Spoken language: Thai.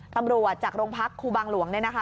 ตำรวจจากโรงพักครูบางหลวงเนี่ยนะคะ